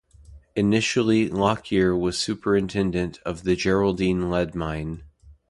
Initially Lockier was Superintendent of the Geraldine lead mine.